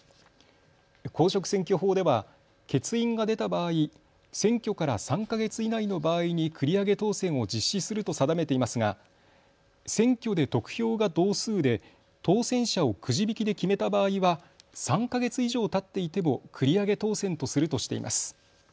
公職選挙法では欠員が出た場合、選挙から３か月以内の場合に繰り上げ当選を実施すると定めていますが選挙で得票が同数で当選者をくじ引きで決めた場合は３か月以上たっていても繰り上げ当選とするとしています。